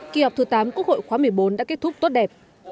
kỳ họp thứ tám quốc hội khóa một mươi bốn đã kết thúc tốt đẹp